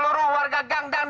hei anjing depan dong